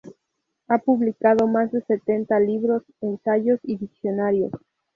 Ha publicado más de setenta de libros, ensayos y diccionarios.